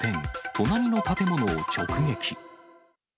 隣の建物を直撃。